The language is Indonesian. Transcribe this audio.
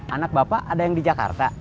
anak bapak ada yang di jakarta